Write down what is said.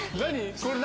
これ何？